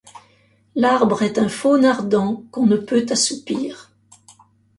L’arbre est un faune ardent qu’on ne peut assoupir